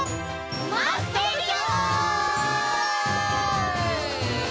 まってるよ！